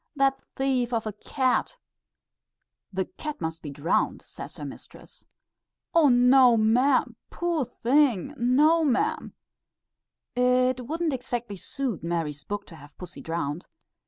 That thief of a cat " "The cat must be drowned," says her mistress. "Oh, no, ma'am! Poor thing! no, ma'am." It wouldn't exactly suit Mary's book to have pussy drowned.